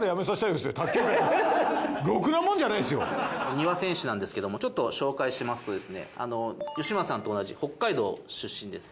丹羽選手なんですけどもちょっと紹介しますとですね吉村さんと同じ北海道出身です。